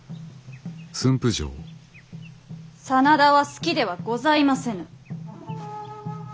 真田は好きではございませぬ。